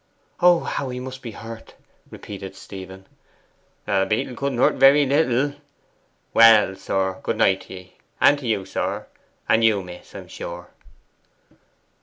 'Oh, how he must be hurt!' repeated Stephen. 'A beetle couldn't hurt very little. Well, sir, good night t'ye; and ye, sir; and you, miss, I'm sure.